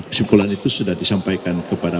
kesimpulan itu sudah disampaikan kepada